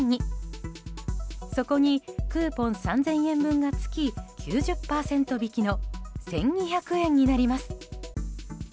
そこにクーポン３０００円分が付き９０％引きの１２００円になります。